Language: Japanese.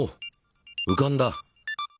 うかんだ。